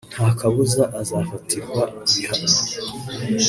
nta kabuza azafatirwa ibihano